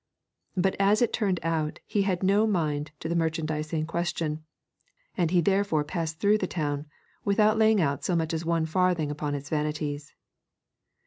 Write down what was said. But as it turned out He had no mind to the merchandise in question, and He therefore passed through the town without laying out so much as one farthing upon its vanities.